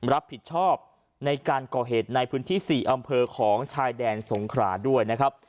รับผิดชอบในการก่อเหตุในพื้นที่๔อำเภอของชายแดนสงขราด้วยนะครับ